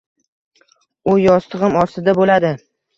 U yostig`im ostida bo`ladi